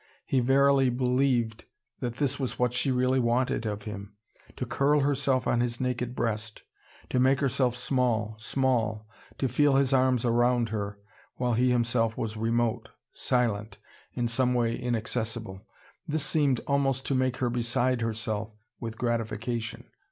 He verily believed that this was what she really wanted of him: to curl herself on his naked breast, to make herself small, small, to feel his arms around her, while he himself was remote, silent, in some way inaccessible. This seemed almost to make her beside herself with gratification.